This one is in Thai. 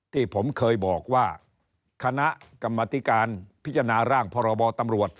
ที่ผมเคยบอกว่าคณะกรรมธิการพิจารณาร่างพรบตำรวจ